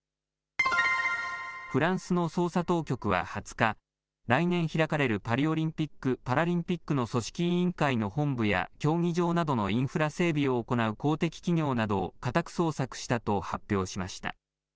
フランスの捜査当局は２０日、来年開かれるパリオリンピック・パラリンピックの組織委員会の本部や競技場などのインフラ整備を行う公的企業などを家宅捜索したと発表しました。